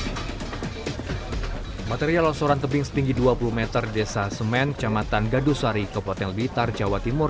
hai material osoran kebing setinggi dua puluh meter desa semen kecamatan gadusari kepoteng litar jawa timur